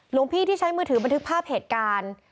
หลวงพี่ที่ใช้มือถือบันทึกภาพเหตุการณ์